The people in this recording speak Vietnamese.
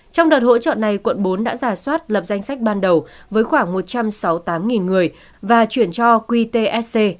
trong đợt hỗ trợ này quận bốn đã giả soát lập danh sách ban đầu với khoảng một trăm sáu mươi tám người và chuyển cho qtsc